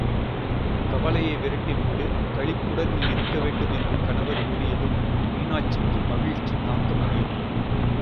கவலையை விரட்டி விட்டு, களிப்புடன் நீ இருக்க வேண்டும் என்று கணவர் கூறியதும், மீனாட்சிக்கு மகிழ்ச்சி தாங்க முடியவில்லை.